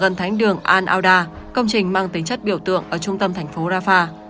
ở gần thánh đường al auda công trình mang tính chất biểu tượng ở trung tâm thành phố rafah